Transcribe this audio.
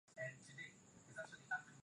ili hali hizi za zama